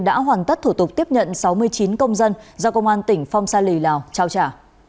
đã hoàn tất thủ tục tiếp nhận sáu mươi chín công dân do công an tỉnh phong sa lì lào trao trả